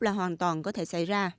là hoàn toàn có thể xảy ra